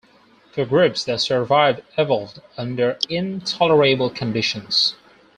The groups that survived evolved under intolerable conditions.